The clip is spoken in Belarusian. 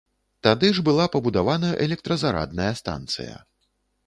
Тады ж была пабудавана электразарадная станцыя.